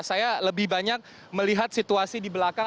saya lebih banyak melihat situasi di belakang